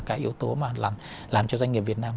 cái yếu tố mà làm cho doanh nghiệp việt nam